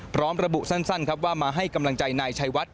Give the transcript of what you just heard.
พร้อมระบุสั้นครับว่ามาให้กำลังใจนายชัยวัด